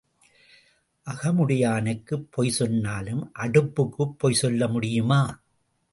அகமுடையானுக்குப் பொய் சொன்னாலும் அடுப்புக்குப் பொய் சொல்லி முடியுமா?